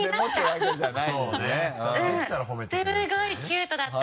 すごいキュートだった。